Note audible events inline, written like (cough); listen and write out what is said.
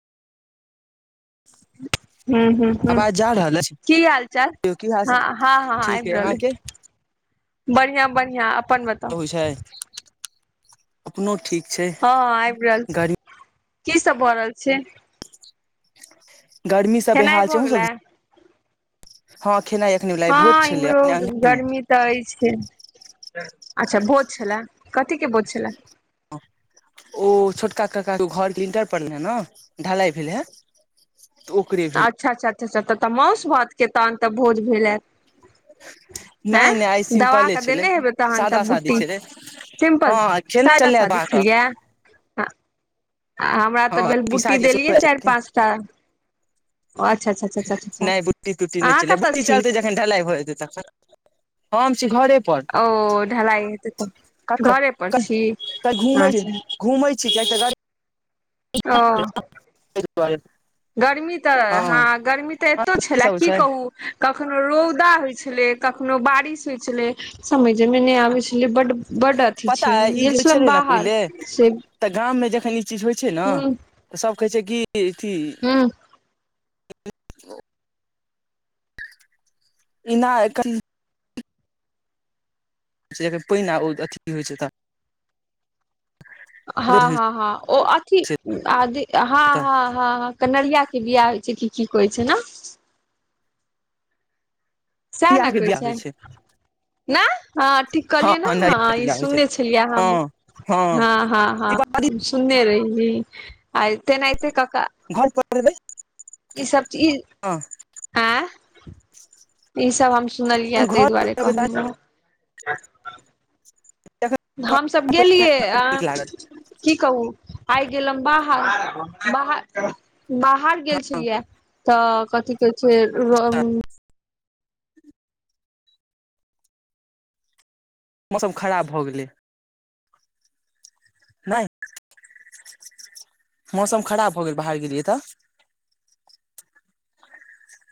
(inaudible) हूं हूं हूं, आवाज जा रहल अछि की हाल चाल? यौ की हाल हँ हँ हँ ठीक अइ आबि रहल एय। अहाँके बढ़िआं बढ़िआं अपन बत अबै छै। अपनो ठीक छै। हँ हँ आबि रहल छै। गर्मी की सब भ रहल छै? गर्मी सं खेनाइ बेहाल छै भऽ अहुं गेलै सब दि हँ खेनाइ एखने भेलैया आइ भोज छलैया अपने अंगने मे। त अछि अच्छा भोज छला, कथी के भोज छलए? ओ छोटका ककाके घरके लिंटर परलैन ने ढ़लाई भेलैहा। ओकरे। अच्छा अच्छा अच्छा अच्छा तहन त माउस भातके तहन त भोज भेल हैत। नहि नहि आइ ऐं सिम्पले दबाक छलै देने हेबै तहन त सादा सादी बूट्टी। छलै सिम्पल हँ खेनाइ सादा छलै सादी बाहर खेलीया। आ हमरा तऽ हँ भेल बूटी पिसाजी देलियै चारि पाँच टा। ओ अच्छा अच्छा अच्छा अच्छा अच्छा, नहि बुट्टी तुट्टी नहि अहाँ छलै कतऽ बुट्टी छी? चलतै ढलाई भ जेतेय तखन हम छी घरे पर ओ ढलाइ हेतय तखन घरे पर छी अछा। घुमय छि किय तऽ गड़- - ओ (inaudible) (inaudible) गर्मी तऽ हँ गर्मी तऽ एतो छलै सब होइ की छै कहू- - कखनो रौदा होइ छलै, कखनो बारिश होइ छलै, समयझे में नहि आबै छलैई। ई बड बड अथी पता छै अइ ई जे गेल होइ छलहुँ छलै ने बाहर पहिले से- - तऽ गाममे जखन ई चीज होइ छै न तऽ सब कहै छै कि अथी- - हँ- - इ ना एखन- - छै त पेईने आ ओ अथी पीबय छैई त। रौद हँ- होइ हँ -हँ ओ अथी छै हँ- ह तऽ -ह- - कनहरिया के बियाह होइ छै, कि की कहै छै न- - से नया न के कहय बियाह होइ छै छैय- - ना हँ ठीक कहलियै न हँ नया के ई बियाह होइ छै सुनने छलियै हँ हमहु हँ- हँ- ई बात हँ सूनने रहिये इ आय तेनाइते क -क- - घर पर एबे। ई सब चीज आंय इ सब हम सुनलियै ऐ ताहि घर दुआरे रहबै कहलहु है। तखन हमसब गेलियै नीक लागत आ- - की कहू आइ गेलों बाहर बाहर बाहर गेल छलियै। तऽ कथि कहै छै ऊं - - मौसम खराब भऽ गेलै। नहि मौसम खराब भ गेल बाहर गेलियै तऽ- -